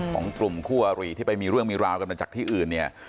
ของกลุ่มคู่อารีที่ไปมีเรื่องมีราวกันมาจากที่อื่นเนี่ย